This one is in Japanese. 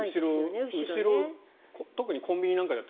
後ろ特にコンビニなんかは。